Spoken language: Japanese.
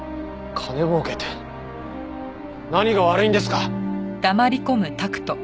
金もうけて何が悪いんですか？